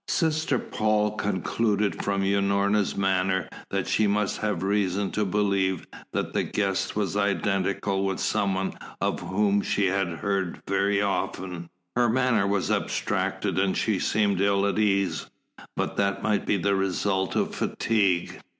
Sister Paul concluded from Unorna's manner that she must have reason to believe that the guest was identical with some one of whom she had heard very often. Her manner was abstracted and she seemed ill at ease. But that might be the result of fatigue.